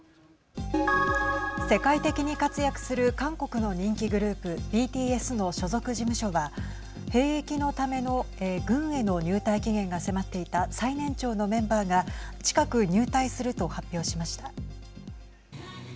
世界的に活躍する韓国の人気グループＢＴＳの所属事務所は兵役のための軍への入隊期限が迫っていた最年長のメンバーが近く入隊すると発表しました。